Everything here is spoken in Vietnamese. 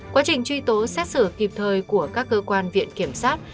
quá trình truy tố xét xử kịp thời của các cơ quan viện kiểm sát